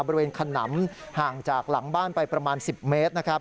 บริเวณขนำห่างจากหลังบ้านไปประมาณ๑๐เมตร